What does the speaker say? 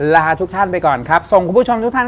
ลาทุกท่านไปก่อนครับส่งคุณผู้ชมทุกท่าน